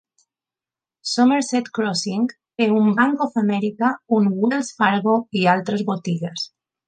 Somerset Crossing té un Banc Of America, un Wells Fargo i altres botigues.